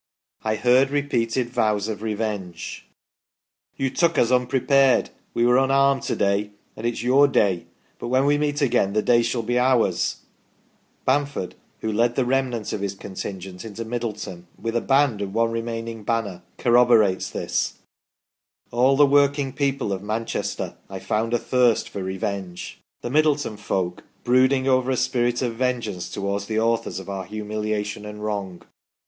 I heard repeated vows of revenge. THE CASUALTIES 41 * You took us unprepared, we were unarmed to day, and it is your day, but when we meet again the day shall be ours/ " Bamford, who led the remnant of his contingent into Middleton with a band and one remaining banner, corroborates this :" All the working people of Manchester I found athirst for revenge "; the Middleton folk " brooding over a spirit of vengeance towards the authors of our humiliation and our wrong.